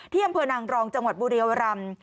อำเภอนางรองจังหวัดบุรียรำ